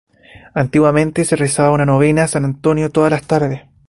Antiguamente se rezaba una novena a San Antonio todas las tardes.